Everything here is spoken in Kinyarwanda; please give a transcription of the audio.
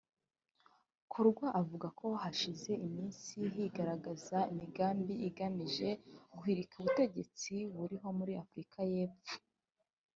Kodwa avuga ko hashize iminsi higaragaza imigambi igamije guhirika ubutegetsi buriho muri Afurika y’Epfo